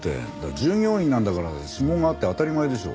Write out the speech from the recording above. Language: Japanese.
従業員なんだから指紋があって当たり前でしょ。